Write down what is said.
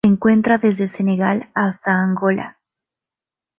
Se encuentra desde Senegal hasta Angola.